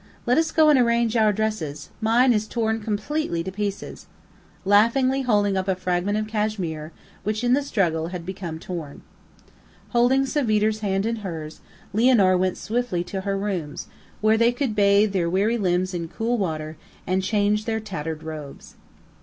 Let us go and arrange our dresses; mine is torn completely to pieces," laughingly holding up a fragment of cashmere, which in the struggle had become torn. Holding Savitre's hand in hers, Lianor went swiftly to her rooms, where they could bathe their weary limbs in cool water, and change their tattered robes.